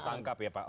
salah tangkap ya pak